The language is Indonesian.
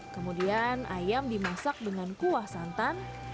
kemudian ayam dimasak dengan kuah santan